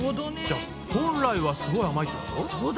じゃ本来はすごい甘いってこと？